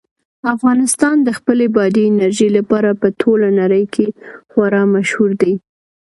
افغانستان د خپلې بادي انرژي لپاره په ټوله نړۍ کې خورا مشهور دی.